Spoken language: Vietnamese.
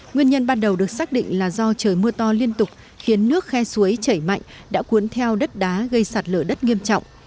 nguyên nhân ban đầu được xác định là do trời mưa to liên tục khiến nước khe suối chảy mạnh đã cuốn theo đất đá gây sạt lở đất nghiêm trọng